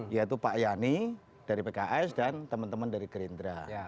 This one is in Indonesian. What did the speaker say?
yaitu pak yani dari pks dan teman teman dari gerindra